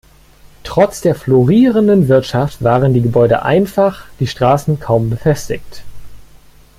Trotz der florierenden Wirtschaft waren die Gebäude einfach, die Straßen kaum befestigt.